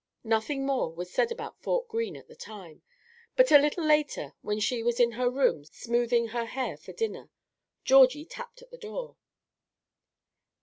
Nothing more was said about Fort Greene at the time; but a little later, when she was in her room smoothing her hair for dinner, Georgie tapped at the door.